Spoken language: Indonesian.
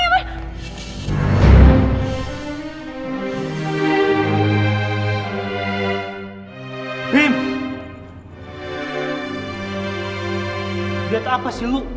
lihat apa sih lu